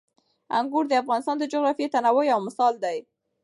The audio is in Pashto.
انګور د افغانستان د جغرافیوي تنوع یو مثال دی.